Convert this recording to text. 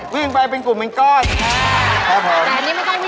วิ่งไปเป็นกลุ่มเป็นก้อน